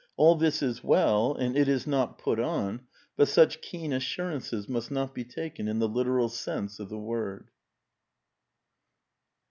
All this is well, and it is not put on ; but such keen assurances must not be taken in the literal sense of the word."